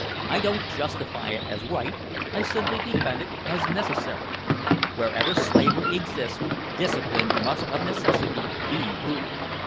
I don't justify it as right, I simply defend it as necessary. Wherever slavery exists, discipline must of necessity be brutal.